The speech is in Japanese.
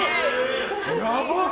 やばっ！